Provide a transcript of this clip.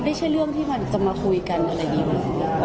ไม่ใช่เรื่องที่มันจะมาคุยกันอะไรอย่างนี้